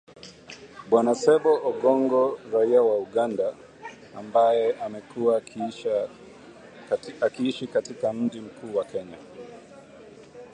Bwana Ssebbo Ogongo raia wa Uganda ambaye amekuwa akiishi katika mji mkuu wa Kenya